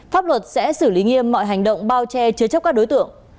pháp luật sẽ xử lý nghiêm mọi hành động bao che chứa chấp các đối tượng